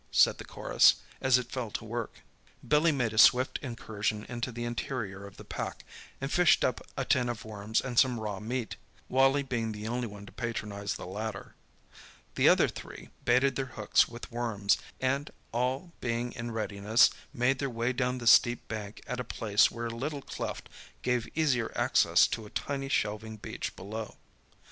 said the chorus, as it fell to work. Billy made a swift incursion into the interior of the pack, and fished up a tin of worms and some raw meat, Wally being the only one to patronize the latter. The other three baited their hooks with worms, and, all being in readiness, made their way down the steep bank at a place where a little cleft gave easier access to a tiny shelving beach below.